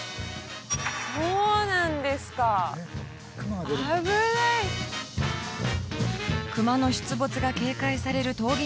そうなんですか危ない熊の出没が警戒される通り